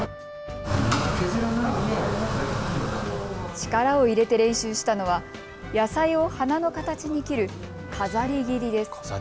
力を入れて練習したのは野菜を花の形に切る飾り切りです。